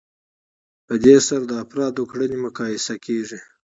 په دې سره د افرادو کړنې مقایسه کیږي.